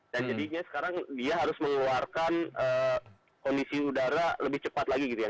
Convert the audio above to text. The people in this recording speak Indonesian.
dan jadinya sekarang dia harus mengeluarkan kondisi udara lebih cepat lagi gitu ya